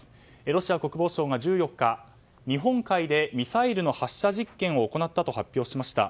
ロシア国防省は１４日日本海でミサイルの発射実験を行ったと発表しました。